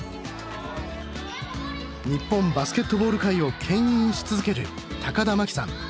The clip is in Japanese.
日本バスケットボール界をけん引し続ける田真希さん。